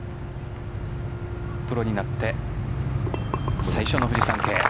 プロになって最初のフジサンケイ。